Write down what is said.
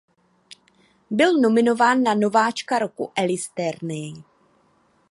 Byl nominován na nováčka roku Elitserien.